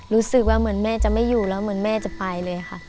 รู้สึกว่าเหมือนแม่จะไม่อยู่แล้วเหมือนแม่จะไปเลยค่ะ